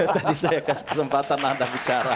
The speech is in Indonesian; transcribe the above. tadi saya kasih kesempatan anda bicara